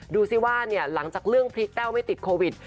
ดูสิว่าหลังจากเรื่องพริกแต้วไม่ติดโควิด